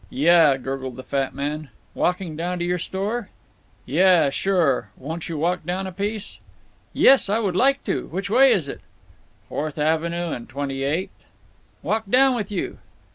"Yuh!" gurgled the fat man. Walking down to your store?" "Yuh—sure—won't you walk down a piece?" "Yes, I would like to. Which way is it?" "Fourth Avenue and Twenty eighth." "Walk down with you."